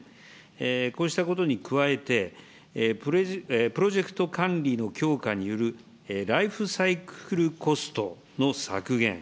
こうしたことに加えて、プロジェクト管理の強化によるライフサイクルコストの削減。